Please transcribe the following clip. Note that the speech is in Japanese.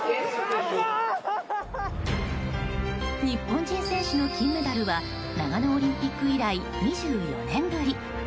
日本人選手の金メダルは長野オリンピック以来２４年ぶり。